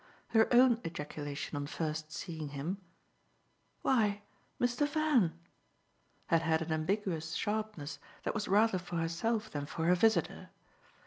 Her own ejaculation on first seeing him "Why, Mr. Van!" had had an ambiguous sharpness that was rather for herself than for her visitor.